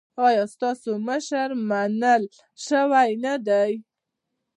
ایا ستاسو مشري منل شوې نه ده؟